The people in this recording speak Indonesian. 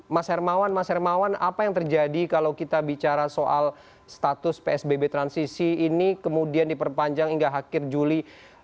mas hermawan mas hermawan apa yang terjadi kalau kita bicara soal status psbb transisi ini kemudian diperpanjang hingga akhir juli dua ribu dua puluh